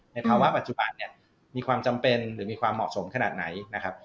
ภาวะปัจจุบันเนี่ยมีความจำเป็นหรือมีความเหมาะสมขนาดไหนนะครับ